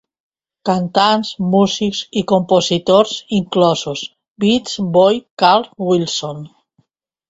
Cantants, músics y compositors inclosos; Beach Boy Carl Wilson.